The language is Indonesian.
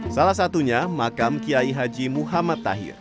salah satunya makam kiai haji muhammad tahir